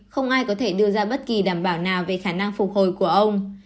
không ai có thể đưa ra bất kỳ đảm bảo nào về khả năng phục hồi của ông